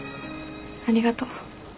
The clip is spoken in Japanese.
ありがと。